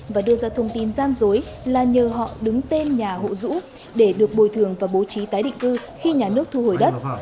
và đưa ra thông tin gian dối là nhờ họ đứng tên nhà hộ dũ để được bồi thường và bố trí tái định cư khi nhà nước thu hồi đất